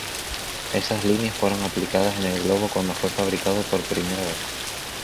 Esas líneas fueron aplicadas en el globo cuando fue fabricado por primera vez.